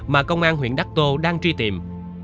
mà công an huyện đắc tô đang truy tìm